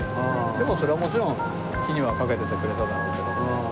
でもそれはもちろん気にはかけててくれただろうけども。